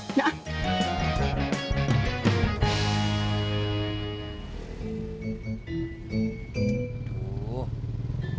iya belum muhrim